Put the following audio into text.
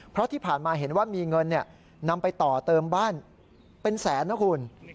เพราะที่ผ่านมาเห็นว่ามีเงินนำไปต่อเติมบ้านเป็นแสนนะคุณ